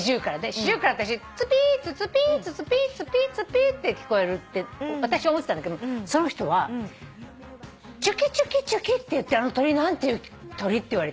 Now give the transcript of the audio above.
シジュウカラ私ツピーツツピーツツピーツピーツピーって聞こえるって思ってたんだけどその人は「チュキチュキって言ってるあの鳥何ていう鳥？」って言われて。